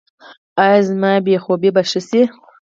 ایا زما بې خوبي به ښه شي؟